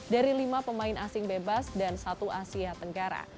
dari lima pemain asing bebas dan satu asia tenggara